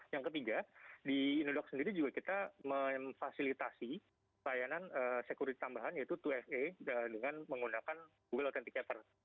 yang ketiga di indodoc sendiri juga kita memfasilitasi layanan security tambahan yaitu dua fa dengan menggunakan google authenticator